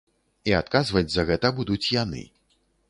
І адказваць за гэта будуць яны.